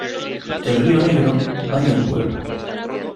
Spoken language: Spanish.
El río Negro baña el pueblo.